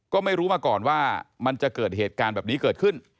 ก็ไม่รู้มาก่อนว่ามันจะเกิดเหตุการณ์แบบนี้เกิดขึ้น